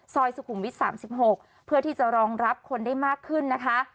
ซอยสุขุมวิชต์สามสิบหกเพื่อที่จะรองรับคนได้มากขึ้นนะคะ